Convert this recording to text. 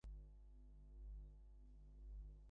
তারা বোধহয় এতক্ষণ ভেতরের বাড়িতে ছিলেন।